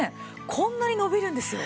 こんなに伸びるんですよ。